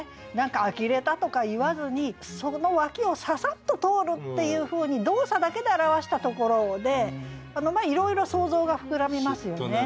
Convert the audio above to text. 「あきれた」とか言わずにその脇を「ささっと通る」っていうふうに動作だけで表したところでいろいろ想像が膨らみますよね。